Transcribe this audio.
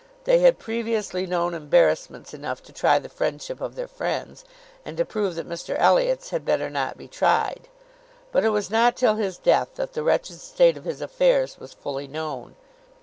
They had previously known embarrassments enough to try the friendship of their friends, and to prove that Mr Elliot's had better not be tried; but it was not till his death that the wretched state of his affairs was fully known.